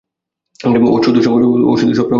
ও শুধু সবসময় আমাদের বিরক্ত করে।